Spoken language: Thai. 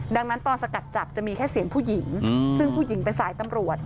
ดังนั้นตอนสกัดจับจะมีแค่เสียงผู้หญิงซึ่งผู้หญิงเป็นสายตำรวจ